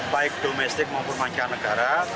baik domestik maupun manjakan negara